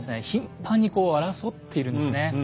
頻繁にこう争っているんですね。